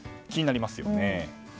気になりますよね。